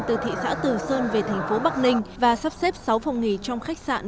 từ thị xã từ sơn về thành phố bắc ninh và sắp xếp sáu phòng nghỉ trong khách sạn